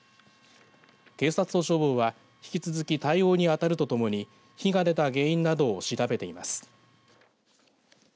警察と消防は引き続き対応に当たるとともに火が出た原因などを調べています。